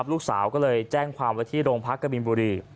ลูกสาก็เลยแจ้งความว่าที่โรงพักกระมีบุรี